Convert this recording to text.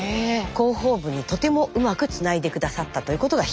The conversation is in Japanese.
広報部にとてもうまくつないで下さったということが一つ。